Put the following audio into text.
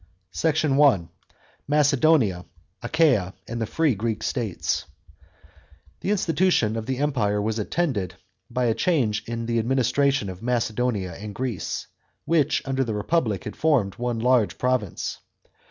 SECT. I. — MACEDONIA, ACHAIA, AND THE FREE GREEK STATES. § 2. The institution of the Empire was attended by a change in the administration of Macedonia and Greece, which under the Republic had formed one large province.